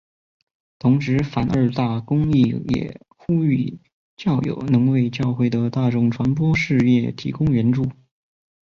同时梵二大公会议也呼吁教友能为教会的大众传播事业提供援助。